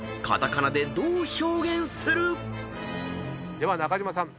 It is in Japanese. では中島さん